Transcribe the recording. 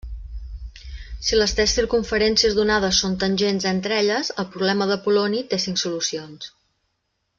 Si les tres circumferències donades són tangents entre elles, el problema d'Apol·loni té cinc solucions.